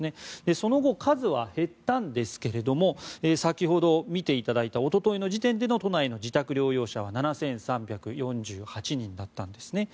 その後、数は減ったんですが先ほど見ていただいたおとといの時点での都内の自宅療養者は７３４８人だったんですね。